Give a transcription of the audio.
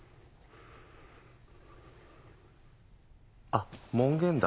あっ門限だ。